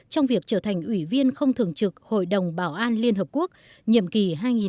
trong việc trở thành ủy viên không thường trực hội đồng bảo an liên hợp quốc nhiệm kỳ hai nghìn hai mươi hai nghìn hai mươi một